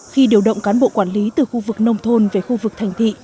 khi điều động cán bộ quản lý từ khu vực nông thôn về khu vực thành thị